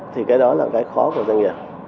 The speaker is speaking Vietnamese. thì cái đó là cái khó của doanh nghiệp